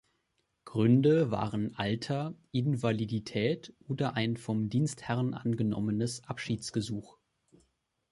Gründe waren Alter, Invalidität oder ein vom Dienstherrn angenommenes "Abschiedsgesuch".